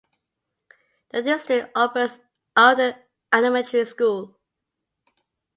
The district operates Alden Elementary School.